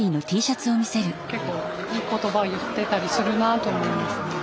結構いい言葉を言ってたりするなと思いますね。